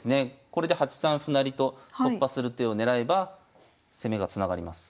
これで８三歩成と突破する手を狙えば攻めがつながります。